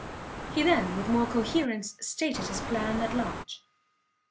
He then, with more coherence, stated his plan at large.